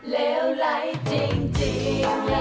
เหลวไหล่จริงจริง